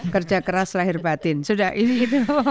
kerja keras lahir batin sudah ini gitu